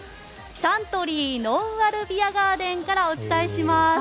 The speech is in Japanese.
サントリーのんあるビアガーデンからお伝えします。